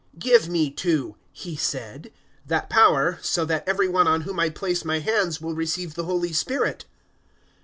008:019 "Give me too," he said, "that power, so that every one on whom I place my hands will receive the Holy Spirit."